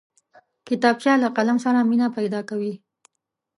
کتابچه له قلم سره مینه پیدا کوي